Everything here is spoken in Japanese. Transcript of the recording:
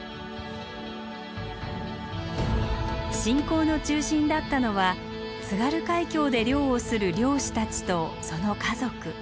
信仰の中心だったのは津軽海峡で漁をする漁師たちとその家族。